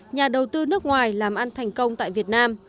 nhà đầu tư nước ngoài làm ăn thành công tại việt nam